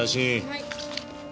はい。